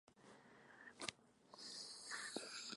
Dentro del oratorio el espacio se articula mediante semicolumnas.